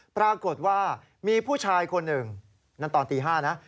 ปรากฏว่ามีผู้ชายคนหนึ่งนั่นตอนตี๕นะ